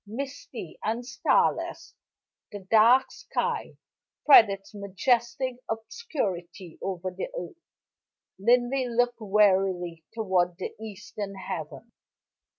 Misty and starless, the dark sky spread its majestic obscurity over the earth. Linley looked wearily toward the eastern heaven.